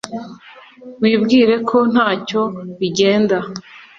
Wibwire ko ntacyo bigenda